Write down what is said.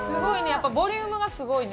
やっぱボリュームがすごいね。